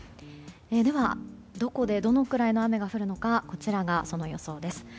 ではどこでどのくらいの雨が降るのかこちらが、その予想です。